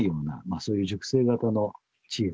そういう熟成型のチーズ